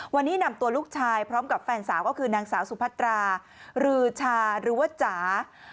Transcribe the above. วันนี้นำตัวลูกชายพร้อมกับแฟนสาวก็คือนางสาวสุพัตรารือชาหรือว่าจ๋า